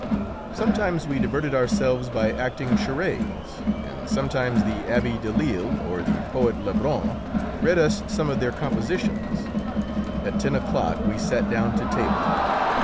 Sometimes we diverted ourselves by acting charades, and sometimes the Abbé Delille or the poet Lebrun read us some of their compositions. At ten o'clock we sat down to table.